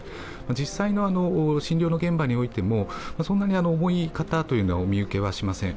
実際の診療の現場でもそんなに重い方は、お見受けはしません。